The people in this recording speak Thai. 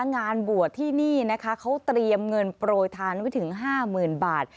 งานบวชที่นี่นะคะเขาเตรียมเงินโปรยทานไว้ถึง๕๐๐๐บาท